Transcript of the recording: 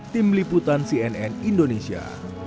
tim liputan cnn indonesia